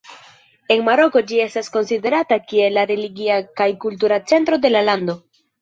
En Maroko ĝi estas konsiderata kiel la religia kaj kultura centro de la lando.